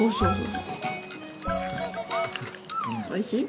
おいしい？